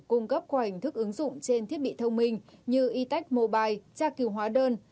cung cấp qua hình thức ứng dụng trên thiết bị thông minh như e tech mobile tra kiều hóa đơn